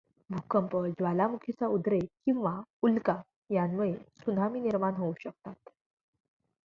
भूकंप, ज्वालामुखीचा उद्रेक किंवा उल्का यांमुळे त्सुनामी निर्माण होवू शकतात.